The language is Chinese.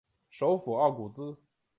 首府奥古兹。